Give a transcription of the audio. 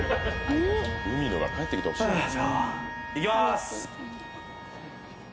「海野が帰ってきてほしい」いきまーす。